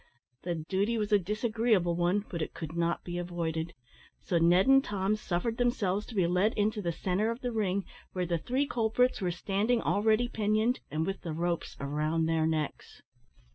The duty was a disagreeable one, but it could not be avoided, so Ned and Tom suffered themselves to be led into the centre of the ring where the three culprits were standing already pinioned, and with the ropes round their necks.